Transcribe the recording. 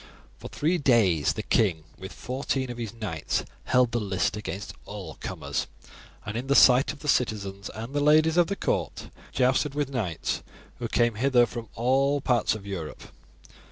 For three days the king, with fourteen of his knights, held the list against all comers, and in the sight of the citizens and the ladies of the court, jousted with knights who came hither from all parts of Europe.